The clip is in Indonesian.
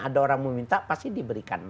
ada orang meminta pasti diberikan